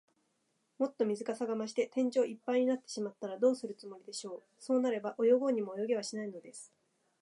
もっと水かさが増して、天井いっぱいになってしまったら、どうするつもりでしょう。そうなれば、泳ごうにも泳げはしないのです。